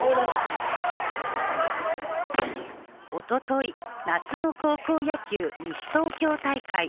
おととい、夏の高校野球西東京大会。